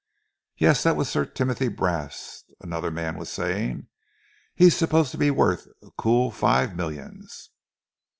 "Yes, that was Sir Timothy Brast," another man was saying. "He's supposed to be worth a cool five millions."